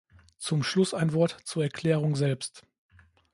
Zum Schluss ein Wort zur Erklärung selbst.